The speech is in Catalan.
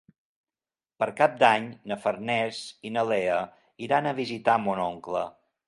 Per Cap d'Any na Farners i na Lea iran a visitar mon oncle.